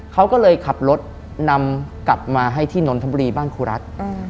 เขาก็เลยขับรถนำกลับมาให้ที่นนทบุรีบ้านครูรัฐ